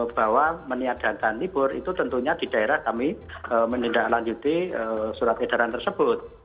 bahwa meniadakan libur itu tentunya di daerah kami menindaklanjuti surat edaran tersebut